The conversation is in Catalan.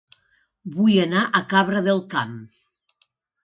Vull anar a Cabra del Camp